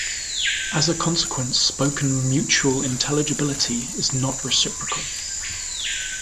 As a consequence, spoken mutual intelligibility is not reciprocal.